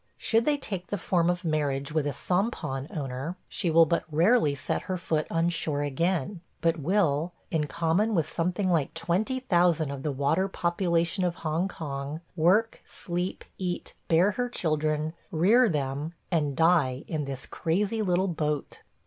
Should they take the form of marriage with a sampan owner, she will but rarely set her foot on shore again, but will, in common with something like 20,000 of the "water population" of Hong Kong, work, sleep, eat, bear her children, rear them, and die in this crazy little boat.